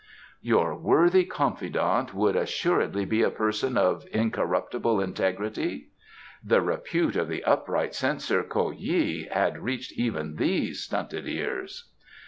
"Your worthy confidant would assuredly be a person of incorruptible integrity?" "The repute of the upright Censor K'o yih had reached even these stunted ears."